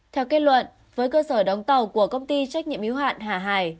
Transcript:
theo kết luận với cơ sở đóng tàu của công ty trách nhiệm yếu hạn hà hải